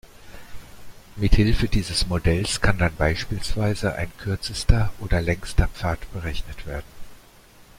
Mit Hilfe dieses Modells kann dann beispielsweise ein kürzester oder längster Pfad berechnet werden.